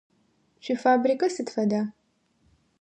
Шъуифабрикэ сыд фэда?